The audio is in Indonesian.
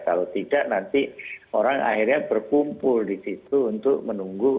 kalau tidak nanti orang akhirnya berkumpul di situ untuk menunggu